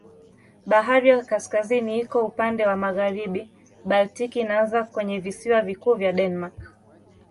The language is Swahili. Bahari ya Kaskazini iko upande wa magharibi, Baltiki inaanza kwenye visiwa vikuu vya Denmark.